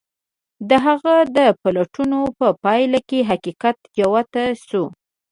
د هغه د پلټنو په پايله کې حقيقت جوت شو.